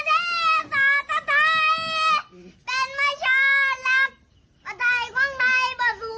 ทำเป็นไหวไหมน้ำสลัง